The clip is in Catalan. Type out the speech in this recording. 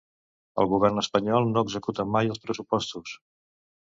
El govern espanyol no executa mai els pressupostos